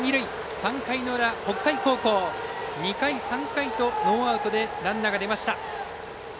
３回の裏、北海高校２回、３回とノーアウトでランナー出ました。